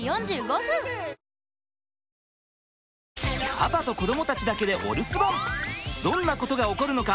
パパと子どもたちだけでお留守番どんなことが起こるのか？